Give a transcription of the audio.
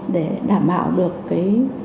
để đảm bảo được cái